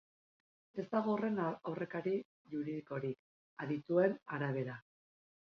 Ez dago horren aurrekari juridikorik, adituen arabera.